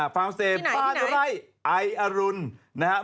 ฟาร์มสเตจบ้านไออรุณที่ไหนที่ไหน